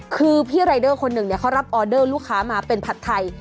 คือพี่รายเดอร์คนหนึ่งเขารับออเดอร์ลูกค้ามาเป็นผัดไทย